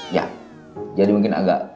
ya jadi mungkin agak